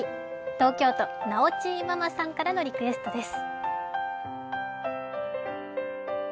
東京都・なおちーママさんのリクエストです。